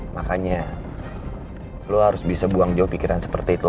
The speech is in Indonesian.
makanya lo harus bisa buang jauh pikiran seperti itu